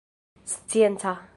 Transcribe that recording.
scienca